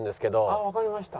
ああわかりました。